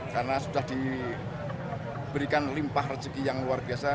karena sudah diberikan limpah rezeki yang luar biasa